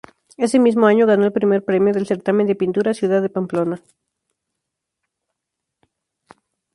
Ese mismo año ganó el primer premio del Certamen de Pintura "Ciudad de Pamplona".